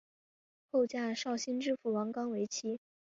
后嫁绍兴知府汪纲为妻。